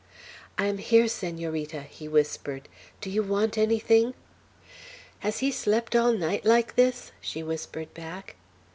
"I am here, Senorita," he whispered. "Do you want anything?" "Has he slept all night like this?" she whispered back.